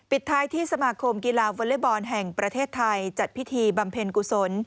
ท้ายที่สมาคมกีฬาวอเล็กบอลแห่งประเทศไทยจัดพิธีบำเพ็ญกุศล